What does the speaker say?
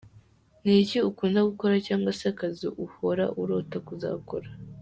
Ni iki ukunda gukora cyangwa se akazi uhora urota kuzakora?.